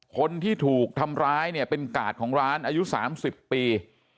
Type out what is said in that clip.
คนที่ถูกทำร้ายเนี่ยเป็นกาดของร้านอายุ๓๐ปี